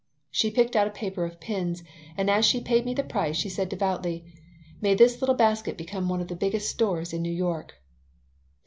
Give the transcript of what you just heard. '" She picked out a paper of pins, and as she paid me the price she said, devoutly, "May this little basket become one of the biggest stores in New York."